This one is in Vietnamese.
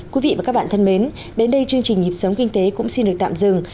quý vị và các bạn thân mến đến đây chương trình nhịp sống kinh tế cũng xin được tạm dừng